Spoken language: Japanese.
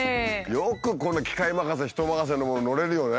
よくこんな機械任せ人任せのものに乗れるよね。